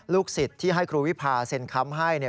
ลูกศิษย์ที่ให้ครูวิภาเซ็นคำให้